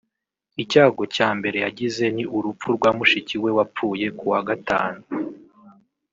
Icyago cya mbere yagize ni urupfu rwa mushiki we wapfuye kuwa Gatanu